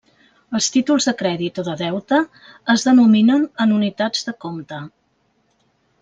Els títols de crèdit o de deute es denominen en unitats de compte.